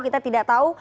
kita tidak tahu